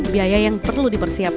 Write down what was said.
biaya yang perlu dipersiapkan